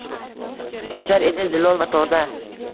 Ko’char edi zilol va toza.